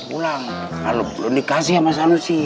pulang kalau belum dikasih sama sanusi